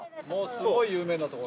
すごい有名な所。